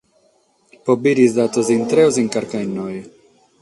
Pro bìdere sos datos intreos incarca inoghe.